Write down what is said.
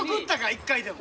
一回でも。